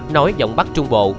nói giọng bắc trung bộ